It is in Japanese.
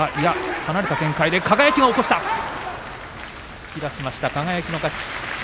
突き出しました、輝の勝ち。